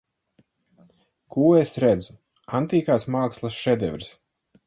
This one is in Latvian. Ko es redzu Antīkās mākslas šedevrs.